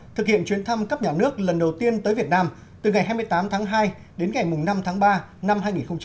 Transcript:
thực hiện chuyến thăm cấp nhà nước lần đầu tiên tới việt nam từ ngày hai mươi tám tháng hai đến ngày năm tháng ba năm hai nghìn hai mươi